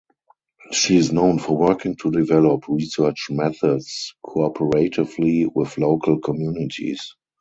She is known for working to develop research methods cooperatively with local communities.